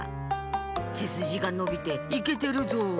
『せすじがのびていけてるぞ！』